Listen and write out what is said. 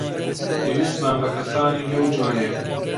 پێویستمان بە کەسانی لەو جۆرەیە.